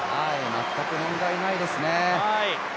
全く問題ないですね。